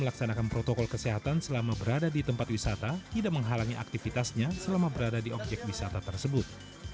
dan menghalangi aktivitasnya selama berada di objek wisata tersebut